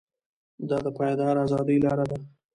دا د پایداره ازادۍ لاره ده.